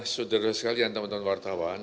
saudara sekalian teman teman wartawan